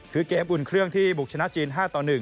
คือเกมอุ่นเครื่องที่บุกชนะจีน๕ต่อ๑